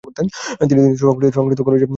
তিনি সংস্কৃত কলেজের অধ্যক্ষ হন।